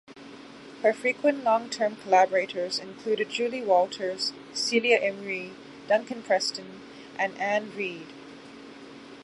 Her frequent long-term collaborators included Julie Walters, Celia Imrie, Duncan Preston, and Anne Reid.